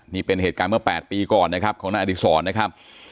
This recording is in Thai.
นี่เป็นเหตุการณ์เมื่อ๘ปีก่อนนะครับของนายอดีศรนะครับ